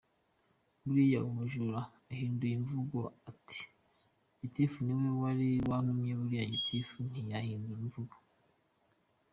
Buriya umujura ahinduye imvugo ati gitifu niwe wari wantumye buriya gitifu ntiyahindura imvugo.